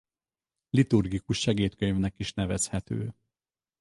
Liturgikus segédkönyvnek is nevezhető.